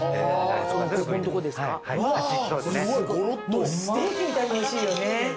もうステーキみたいにおいしいよね。